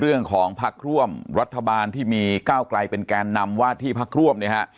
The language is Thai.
เรื่องของพักร่วมรัฐบาลที่มีก้าวไกลเป็นแกนนำว่าที่พักร่วม